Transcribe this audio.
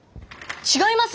違います！